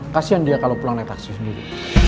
kasian dia kalau pulang naik taksi sendiri